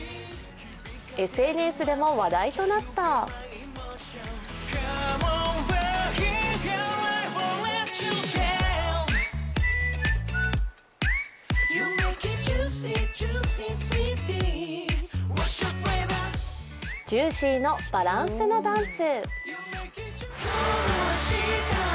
ＳＮＳでも話題となった「ＪＵＩＣＹ」のバランすのダンス。